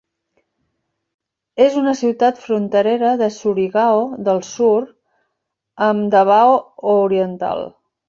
És una ciutat fronterera de Surigao del Sur amb Davao Oriental.